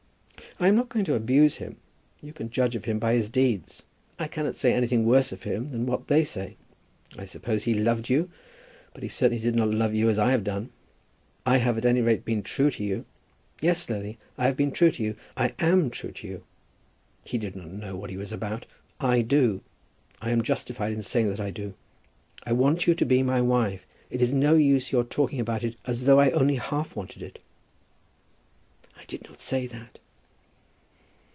"I am not going to abuse him. You can judge of him by his deeds. I cannot say anything worse of him than what they say. I suppose he loved you; but he certainly did not love you as I have done. I have at any rate been true to you. Yes, Lily, I have been true to you. I am true to you. He did not know what he was about. I do. I am justified in saying that I do. I want you to be my wife. It is no use your talking about it as though I only half wanted it." "I did not say that."